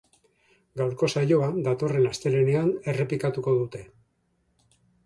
Gaurko saioa datorren astelehenean errepikatuko dute.